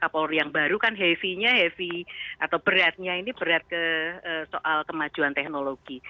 kapolri yang baru kan heavy nya heavy atau beratnya ini berat ke soal kemajuan teknologi